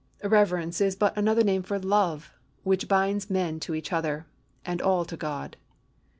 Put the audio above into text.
Reverence is but another name for love, which binds men to each other, and all to God.